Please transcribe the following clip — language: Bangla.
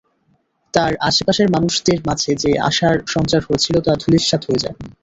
তার আশেপাশের মানুষদের মাঝে যে আশার সঞ্চার হয়েছিল তা ধুলিস্মাৎ হয়ে যায়।